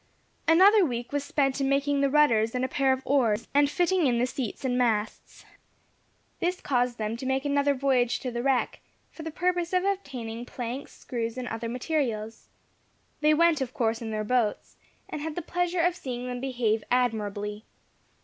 Another week was spent in making the rudders and a pair of oars, and fitting in the seats and masts. This caused them to make another voyage to the wreck, for the purpose of obtaining planks, screws, and other materials. They went, of course, in their boats, and had the pleasure of seeing them behave admirably.